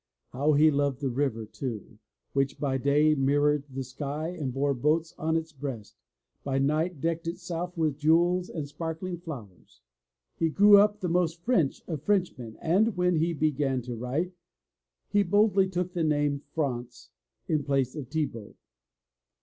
How he loved the river, too, "which by day mirrored the sky and bore boats on its breast, by night decked itself with jewels and sparkling flowers." He grew up the most French of Frenchmen and, when he began to write, he boldly took the name France in place of Thibaut.